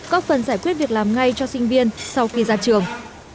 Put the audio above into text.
có phần giải quyết việc làm ngay cho sinh viên sau khi ra trường